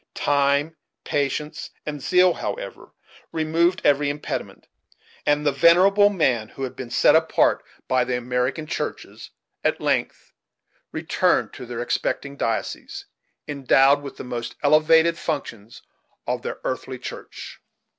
Time, patience, and zeal, however, removed every impediment, and the venerable men who had been set apart by the American churches at length returned to their expecting dioceses, endowed with the most elevated functions of their earthly church.